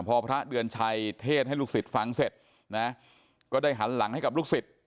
พอพระเดือนชัยเทศให้ลูกศิษย์ฟังเสร็จนะก็ได้หันหลังให้กับลูกศิษย์